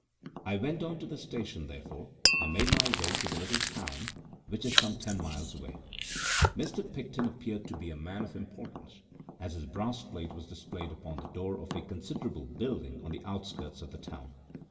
I went on to the station, therefore, and made my way to the little town, which is some ten miles away. Mr. Picton appeared to be a man of importance, as his brass plate was displayed upon the door of a considerable building on the outskirts of the town.